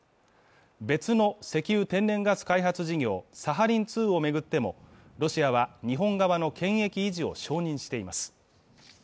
別の石油天然ガス開発事業サハリン２をめぐってもロシアは日本側の権益維持を承認しています